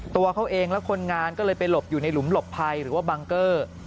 ตัวเขาเองและคนงานก็เลยไปหลบอยู่ในหลุมหลบภัยหรือว่าบังเกอร์